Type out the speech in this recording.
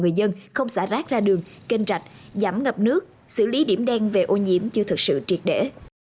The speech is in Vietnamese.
người dân không xả rác ra đường kênh rạch giảm ngập nước xử lý điểm đen về ô nhiễm chưa thực sự triệt để